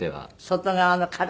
外側の殻？